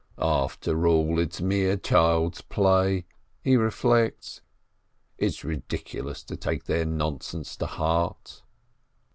"After all, it's mere child's play," he reflects. "It's ridiculous to take their nonsense to heart."